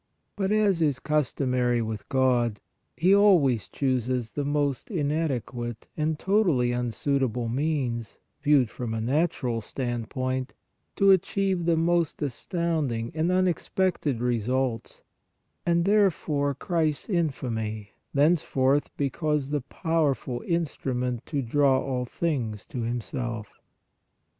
But, as is customary with God, He al ways chooses the most inadequate and totally un suitable means, viewed from a natural standpoint, to achieve the most astounding and unexpected results, and therefore " Christ s infamy " thence forth because the powerful instrument to " draw all things to Himself."